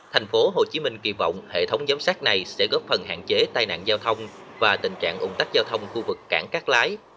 thành phố hồ chí minh kỳ vọng hệ thống giám sát này sẽ góp phần hạn chế tai nạn giao thông và tình trạng ủng tắc giao thông khu vực cảng cát lái